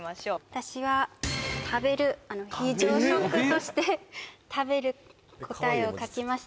私は食べる非常食として食べる答えを書きました